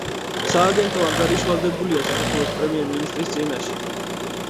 სააგენტო ანგარიშვალდებულია საქართველოს პრემიერ-მინისტრის წინაშე.